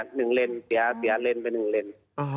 หนึ่งเลนเสียเลนไปหนึ่งเลน